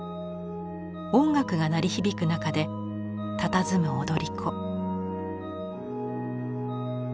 音楽が鳴り響く中でたたずむ踊り子。